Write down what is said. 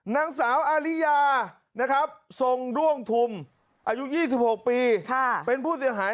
นางสาวอาริยานะครับทรงร่วงทุ่มอายุยี่สิบหกปีค่ะเป็นผู้เสียหาย